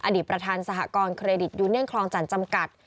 ประธานสหกรณเครดิตยูเนียนคลองจันทร์จำกัด